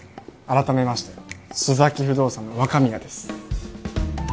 改めまして須崎不動産の若宮です